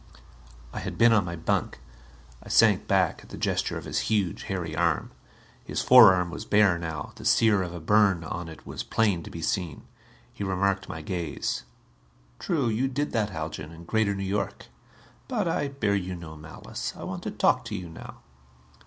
I had been on my bunk. I sank back at the gesture of his huge hairy arm. His forearm was bare now; the sear of a burn on it was plain to be seen. He remarked my gaze. "True. You did that, Haljan, in Greater New York. But I bear you no malice. I want to talk to you now."